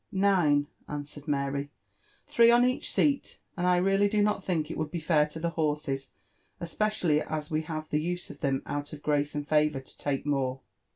<< Nioe,"tinswored Mary,—*' three on each seat: and I really do tot (hink it would be fair to the horses, especially as we have the us^ of them out of grace and favour, to lake more.